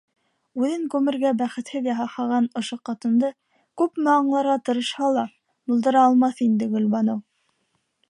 Үҙен ғүмергә бәхетһеҙ яһаған ошо ҡатынды күпме аңларға тырышһа ла булдыра алмаҫ инде Гөлбаныу.